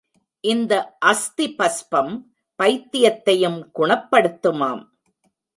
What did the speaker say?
இந்த அஸ்தி பஸ்பம் பைத்தியத்தையும் குணப்படுத்துமாம்.